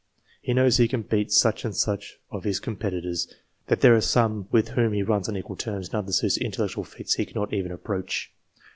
He knows he can beat such and such of his competitors ; that there are some with whom he runs on equal terms, and others whose intellectual feats he cannot even approach.